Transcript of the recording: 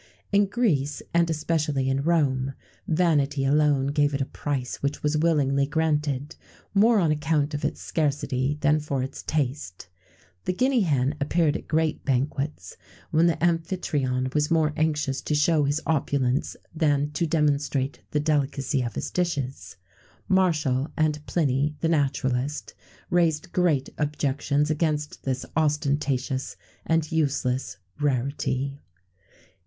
In Greece, and especially in Rome, vanity alone gave it a price which was willingly granted, more on account of its scarcity than for its taste.[XVII 98] The Guinea hen appeared at great banquets, when the Amphytrion was more anxious to show his opulence than to demonstrate the delicacy of his dishes. Martial,[XVII 99] and Pliny,[XVII 100] the naturalist, raised great objections against this ostentatious and useless rarity.